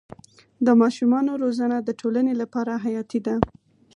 د ماشومانو روزنه د ټولنې لپاره حیاتي ده.